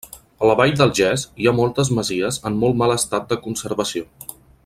A la vall del Ges hi ha moltes masies en molt mal estat de conservació.